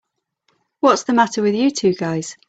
What's the matter with you two guys?